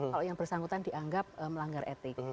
kalau yang bersangkutan dianggap melanggar etik